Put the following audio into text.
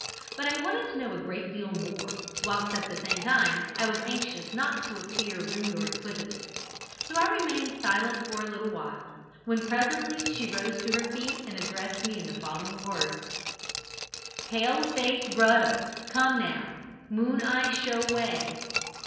But I wanted to know a great deal more, whilst at the same time I was anxious not to appear rude or inquisitive. So I remained silent for a little while, when presently she rose to her feet and addressed me in the following words: "'Pale face broder come now. "Moon eye" show way.'